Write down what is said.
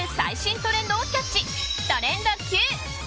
トレンドＱ。